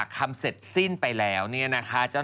เขาอยู่ในเลนเขาเปล่า